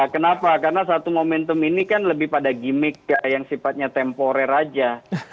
kenapa karena satu momentum ini kan lebih pada gimmick yang sifatnya temporer aja